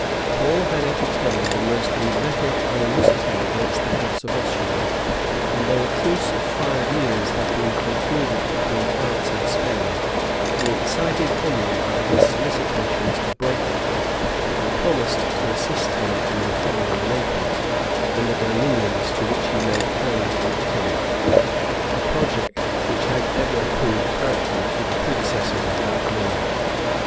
Paul had entertained the most inveterate animosity against the house of Austria; and though a truce of five years had been concluded between France and Spain, he excited Henry by his solicitations to break it, and promised to assist him in recovering Naples, and the dominions to which he laid claim in Italy; a project which had ever proved hurtful to the predecessors of that monarch.